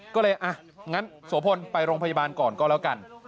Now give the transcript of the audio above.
ก็เลยอ่ะงั้นโสพลไปโรงพยาบาลก่อนก็แล้วกัน